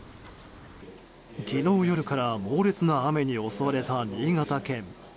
昨日夜から猛烈な雨に襲われた新潟県。